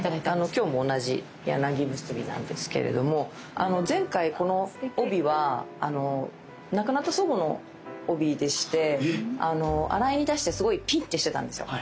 今日も同じ柳結びなんですけれども前回この帯は亡くなった祖母の帯でして洗いに出してすごいピッてしてたんですよ。